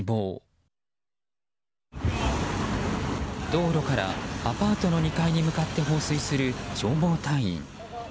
道路からアパートの２階に向かって放水する消防隊員。